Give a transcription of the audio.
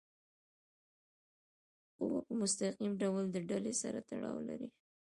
قوه په مستقیم ډول د ډلي سره تړاو لري.